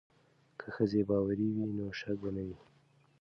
که ښځې باوري وي نو شک به نه وي.